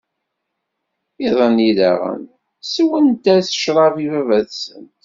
Iḍ-nni daɣen, sswent-as ccṛab i Baba-tsent.